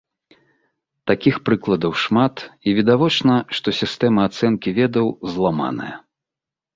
Такіх прыкладаў шмат, і відавочна, што сістэма ацэнкі ведаў зламаная.